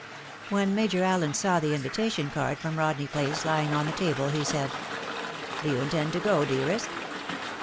When Major Allen saw the invitation card frcqa Bofljaef I Place lying on the table, he said, —" Do you intend to go, dearest?"